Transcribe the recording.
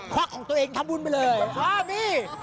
วักของตัวเองทำบุญไปเลย